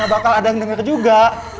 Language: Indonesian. bakal ada yang denger juga